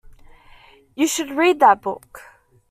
You should read that book.